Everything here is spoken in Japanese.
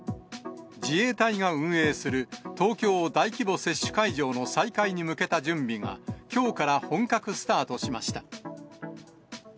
自衛隊が運営する東京大規模接種会場の再開に向けた準備が、きょうから本格スタートしました。